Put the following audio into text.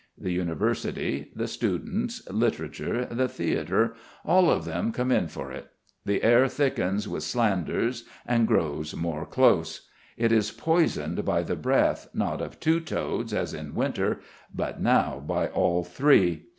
The university, the students, literature, the theatre all of them come in for it. The air thickens with slanders, and grows more dose. It is poisoned by the breath, not of two toads as in winter, but now by all three.